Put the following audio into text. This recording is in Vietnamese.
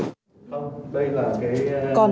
không đây là cái